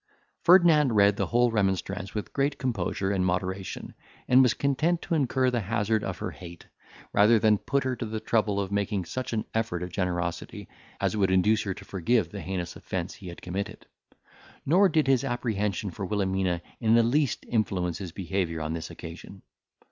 Ferdinand read the whole remonstrance with great composure and moderation, and was content to incur the hazard of her hate, rather than put her to the trouble of making such an effort of generosity, as would induce her to forgive the heinous offence he had committed; nor did his apprehension for Wilhelmina in the least influence his behaviour on this occasion.